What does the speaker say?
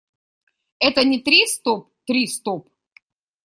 Это не «три – стоп», «три – стоп».